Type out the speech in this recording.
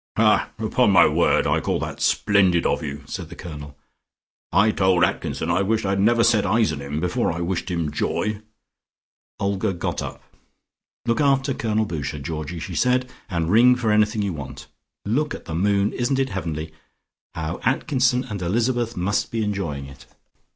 '" "Ha! Upon my word, I call that splendid of you," said the Colonel. "I told Atkinson I wished I had never set eyes on him, before I wished him joy." Olga got up. "Look after Colonel Boucher, Georgie," she said, "and ring for anything you want. Look at the moon! Isn't it heavenly. How Atkinson and Elizabeth must be enjoying it."